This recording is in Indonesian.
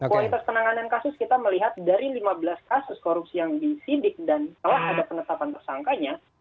kualitas penanganan kasus kita melihat dari lima belas kasus korupsi yang disidik dan telah ada penetapan tersangkanya